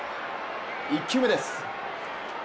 １球目です。